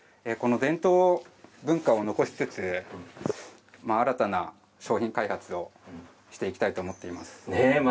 伝統文化を残しつつ新たな商品開発をしていきたいと思っています。